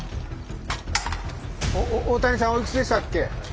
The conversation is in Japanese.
大谷さんおいくつでしたっけ？